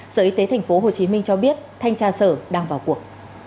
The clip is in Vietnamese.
sở y tế tp hcm cho biết thanh tra sở đang vào cuộc